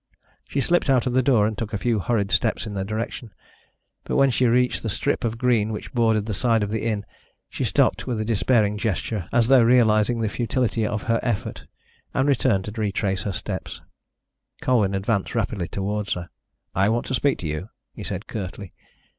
She slipped out of the door and took a few hurried steps in their direction. But when she reached the strip of green which bordered the side of the inn she stopped with a despairing gesture, as though realising the futility of her effort, and turned to retrace her steps. Colwyn advanced rapidly towards her. "I want to speak to you," he said curtly.